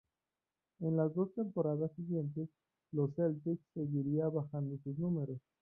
En las dos temporadas siguientes con los Celtics seguiría bajando sus números.